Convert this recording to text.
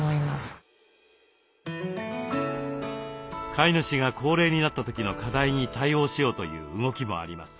飼い主が高齢になった時の課題に対応しようという動きもあります。